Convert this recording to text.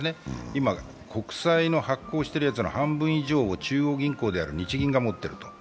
今、国債の発行しているやつの半分以上を中央銀行である日銀が持っていると。